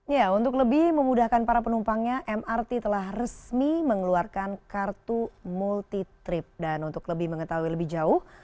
ya untuk lebih memudahkan para penumpangnya mrt telah resmi mengeluarkan kartu multi trip dan untuk lebih mengetahui lebih jauh